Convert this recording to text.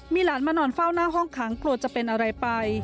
มีหลานมานอนเฝ้าหน้าห้องขังกลัวจะเป็นอะไรไป